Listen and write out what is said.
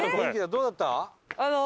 どうだった？